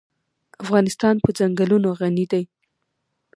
افغانستان په ځنګلونه غني دی.